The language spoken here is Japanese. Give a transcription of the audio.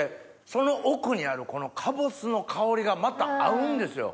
その奥にあるかぼすの香りがまた合うんですよ。